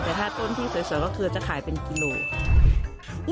แต่ถ้าต้นที่สวยก็คือจะขายเป็นกิโลกรัม